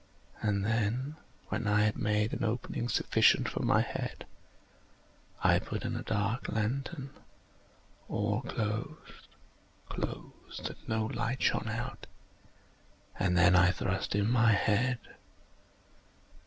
And then, when I had made an opening sufficient for my head, I put in a dark lantern, all closed, closed, that no light shone out, and then I thrust in my head.